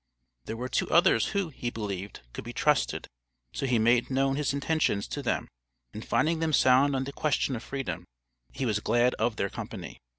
There were two others who, he believed, could be trusted, so he made known his intentions to them, and finding them sound on the question of freedom he was glad of their company.